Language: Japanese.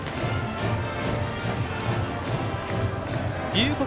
龍谷